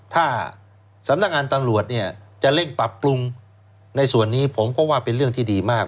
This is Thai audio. ถ้าสำนักงานตำรวจเนี่ยจะเร่งปรับปรุงในส่วนนี้ผมก็ว่าเป็นเรื่องที่ดีมาก